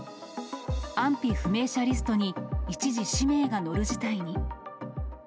安否不明者リストに、一時、氏名が載る事態に。